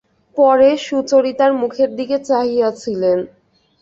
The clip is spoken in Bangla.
পরেশ সুচরিতার মুখের দিকে চাহিয়া ছিলেন।